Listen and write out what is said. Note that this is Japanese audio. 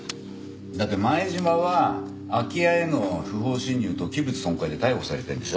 だって前島は空き家への不法侵入と器物損壊で逮捕されてるんでしょ？